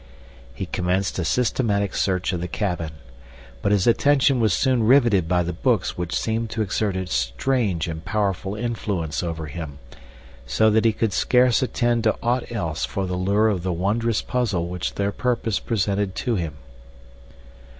He commenced a systematic search of the cabin; but his attention was soon riveted by the books which seemed to exert a strange and powerful influence over him, so that he could scarce attend to aught else for the lure of the wondrous puzzle which their purpose presented to him.